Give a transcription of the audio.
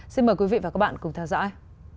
xin mời quý vị và các bạn cùng theo dõi